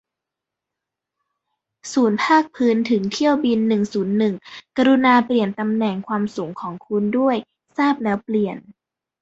ศูนย์ภาคพื้นถึงเที่ยวบินหนึ่งศูนย์หนึ่ง กรุณาเปลี่ยนตำแหน่งความสูงของคุณด้วย ทราบแล้วเปลี่ยน